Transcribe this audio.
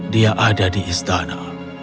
dia ada di istana